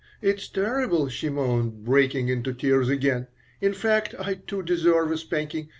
It's terrible!" she moaned, breaking into tears again. "In fact I, too, deserve a spanking.